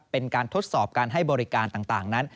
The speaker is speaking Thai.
เป็นการทดสอบการให้บริการต่างนั้น